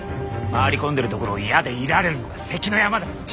回り込んでるところを矢で射られるのが関の山だ。